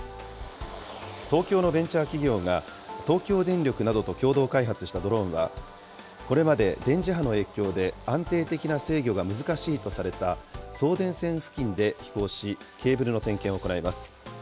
東京のベンチャー企業が東京電力などと共同開発したドローンは、これまで電磁波の影響で、安定的な制御が難しいとされた送電線付近で飛行し、ケーブルの点検を行います。